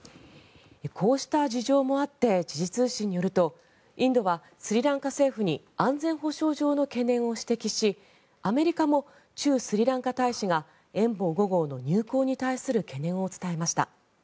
こうした事情もあって時事通信によるとインドはスリランカ政府に安全保障上の懸念を指摘しアメリカも駐スリランカ大使が「遠望５号」の入港に対する懸念を伝えました。